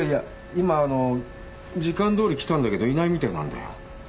今あの時間どおり来たんだけどいないみたいなんだよ。